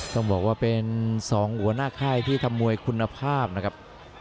ต้องบอกว่าเป็น๒หัวหน้าค่ายที่ทำมวยคุณภาพนะครับ